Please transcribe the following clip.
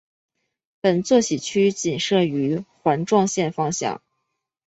本休息区仅设于环状线方向。